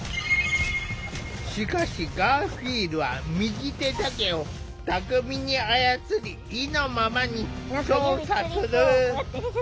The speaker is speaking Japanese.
しかしガーフィールは右手だけを巧みに操り意のままに操作する。